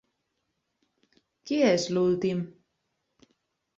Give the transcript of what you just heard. Qui és l'últim?